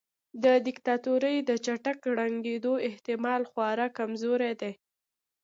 د دیکتاتورۍ د چټک ړنګیدو احتمال خورا کمزوری دی.